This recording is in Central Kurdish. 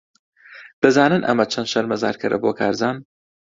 دەزانن ئەمە چەند شەرمەزارکەرە بۆ کارزان؟